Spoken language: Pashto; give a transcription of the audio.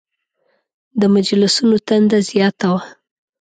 د مجلسونو تنده زیاته وه.